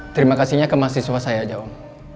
terima kasihnya ke mahasiswa saya aja om